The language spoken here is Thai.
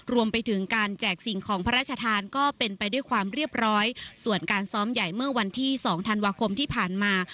รวมไปถึงการแจกสิ่งของพระราชทานก็เป็นไปด้วยความเรียบร้อยส่วนการซ้อมใหญ่เมื่อวันที่สองธันวาคมที่ผ่านมา